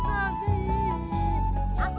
aku jangan jadi babi